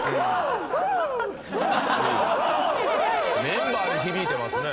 メンバーに響いてますね。